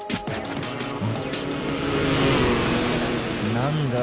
何だ？